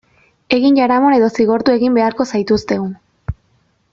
Egin jaramon edo zigortu egin beharko zaituztegu.